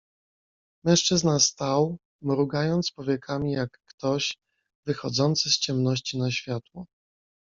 "Mężczyzna stał, mrugając powiekami jak ktoś, wychodzący z ciemności na światło."